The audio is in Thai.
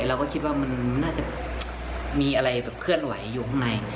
เราก็คิดว่ามันน่าจะมีอะไรแบบเคลื่อนไหวอยู่ข้างใน